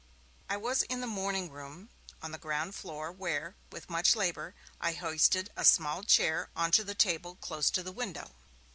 I was in the morning room on the ground floor, where, with much labour, I hoisted a small chair on to the table close to the window.